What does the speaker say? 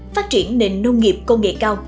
phát triển nền nông nghiệp công nghệ cao